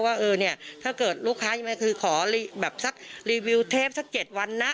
ว่าเออเนี่ยถ้าเกิดลูกค้าอย่างไรขอรีวิวเทปสัก๗วันนะ